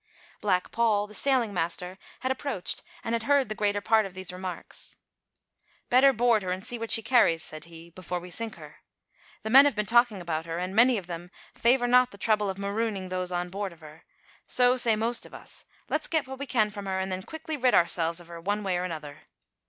Black Paul, the sailing master, had approached and had heard the greater part of these remarks. "Better board her and see what she carries," said he, "before we sink her. The men have been talking about her and, many of them, favour not the trouble of marooning those on board of her. So, say most of us, let's get what we can from her, and then quickly rid ourselves of her one way or another."